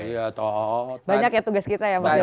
banyak ya tugas kita ya mas yogi